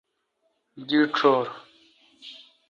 دی ڄور۔